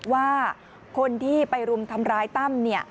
ว่าคนที่ไปรุมทำร้ายตั้ม